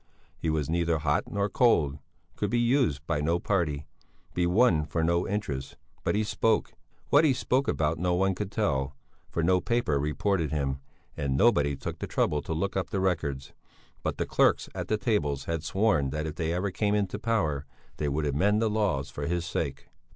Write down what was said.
He was neither hot nor cold, could be used by no party, be won for no interests, but he spoke spoke. What he spoke about no one could tell, for no paper reported him, and nobody took the trouble to look up the records; but the clerks at the tables had sworn that if they ever came into power, they would amend the laws for his sake.